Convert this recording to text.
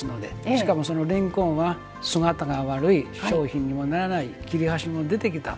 しかも、れんこんは姿が悪い商品にもならない切れ端も出てきた。